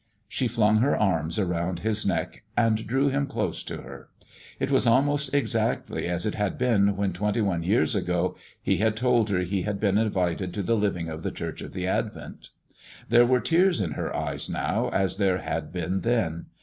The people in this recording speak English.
She flung her arms around his neck and drew him close to her. It was almost exactly as it had been when, twenty one years ago, he had told her he had been invited to the living of the Church of the Advent. There were tears in her eyes now as there had been then.